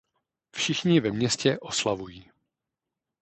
Všichni ve městě oslavují.